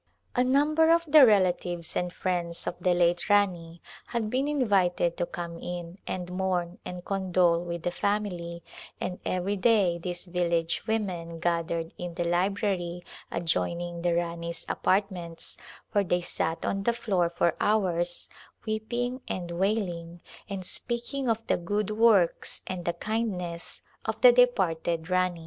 A number of the relatives and friends of the late Rani had been invited to come in and mourn and con dole with the family and every day these village women gathered in the library adjoining the Rani's apart ments where they sat on the floor for hours weeping and wailing and speaking of the good works and the kindness of the departed Rani.